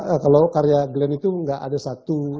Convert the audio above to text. enggak kalau karya glenn itu enggak ada satu